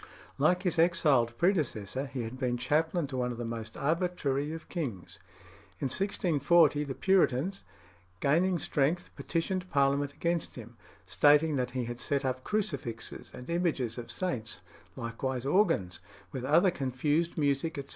Like his expelled predecessor, he had been chaplain to one of the most arbitrary of kings. In 1640 the Puritans, gaining strength, petitioned Parliament against him, stating that he had set up crucifixes and images of saints, likewise organs, "with other confused music, etc.